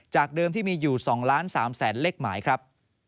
เดิมที่มีอยู่๒ล้าน๓แสนเลขหมายครับ